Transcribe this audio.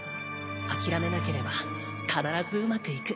諦めなければ必ずうまくいく